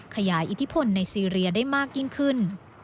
อิทธิพลในซีเรียได้มากยิ่งขึ้น